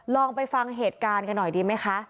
ลองไปฟังเหตุการณ์กันหน่อยดีไหมคะ